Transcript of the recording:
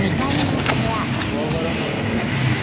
怖がらなくていいよ。